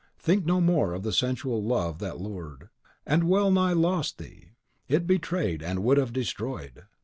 Think no more of the sensual love that lured, and wellnigh lost thee. It betrayed, and would have destroyed.